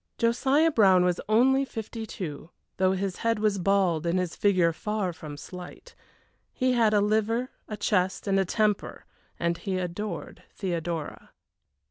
Josiah Brown was only fifty two, though his head was bald and his figure far from slight. He had a liver, a chest, and a temper, and he adored Theodora.